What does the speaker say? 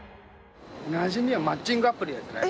なじみはマッチングアプリですね。